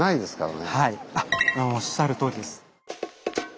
おっしゃるとおりです。